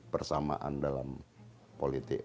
persamaan dalam politik